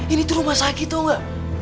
ini tuh rumah sakit tau gak